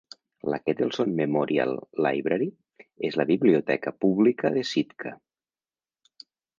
La Kettleson Memorial Library és la biblioteca pública de Sitka.